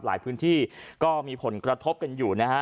หลายพื้นที่ก็มีผลกระทบกันอยู่นะฮะ